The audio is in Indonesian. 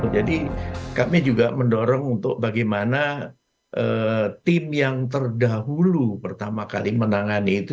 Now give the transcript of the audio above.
jadi kami juga mendorong untuk bagaimana tim yang terdahulu pertama kali menangani itu